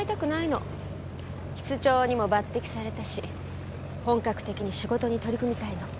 室長にも抜擢されたし本格的に仕事に取り組みたいの。